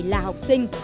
là học sinh